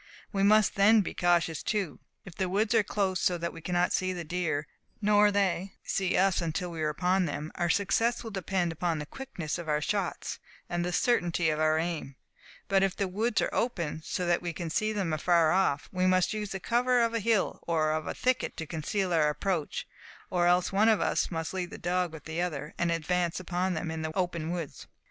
We must then be cautious too. If the woods are close so that we cannot see the deer, nor they see us until we are upon them, our success will depend upon the quickness of our shots, and the certainty of our aim; but if the woods are open, so that we can see them afar off, we must use the cover of a hill or of a thicket to conceal our approach, or else one of us must leave the dog with the other, and advance upon them in the open woods."